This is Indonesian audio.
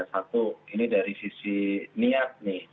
satu ini dari sisi niat nih